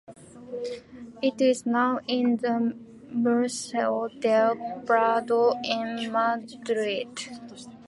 It is now in the Museo del Prado in Madrid.